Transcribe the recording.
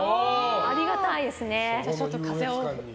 ありがたいです。